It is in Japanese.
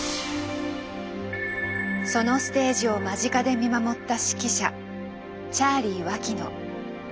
そのステージを間近で見守った指揮者チャーリィ脇野。